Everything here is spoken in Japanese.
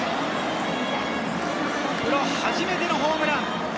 プロ初めてのホームラン！